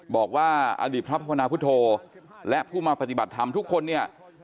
บอกว่าอดีตพระพนาพุทธโธและผู้มาปฏิบัติธรรมทุกคนเนี่ย